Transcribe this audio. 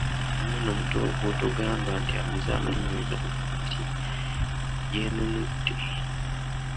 Omwana omuto bwotogamba nti ameze amannyo, oyinza okugamba nti yenenudde.